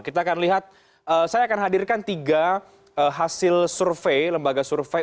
kita akan lihat saya akan hadirkan tiga hasil survei lembaga survei